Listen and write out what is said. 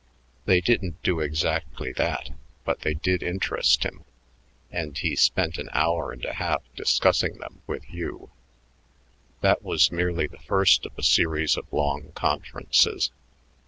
They didn't do exactly that, but they did interest him, and he spent an hour and a half discussing them with Hugh. That was merely the first of a series of long conferences.